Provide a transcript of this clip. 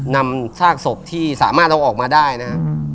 นำซากศพที่สามารถเอาออกมาได้นะครับ